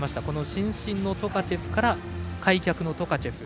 伸身のトカチェフから開脚のトカチェフ。